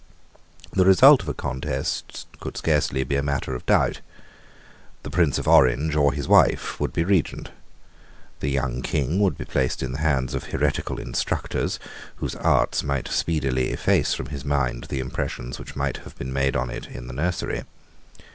The result of a contest could scarcely be matter of doubt. The Prince of Orange or his wife, would be Regent. The young King would be placed in the hands of heretical instructors, whose arts might speedily efface from his mind the impressions which might have been made on it in the nursery.